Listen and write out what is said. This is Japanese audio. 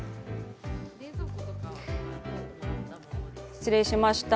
失礼しました、